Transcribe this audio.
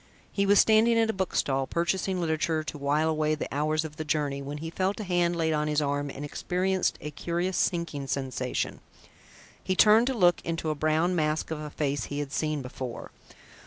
He was standing at a bookstall, purchasing literature to while away the hours of the journey, when he felt a hand laid on his arm and experienced a curious sinking sensation. He turned to look into a brown mask of a face he had seen before.